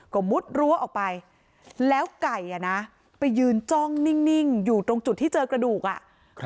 ก็มุดรั้วออกไปแล้วไก่อ่ะนะไปยืนจ้องนิ่งอยู่ตรงจุดที่เจอกระดูกอ่ะ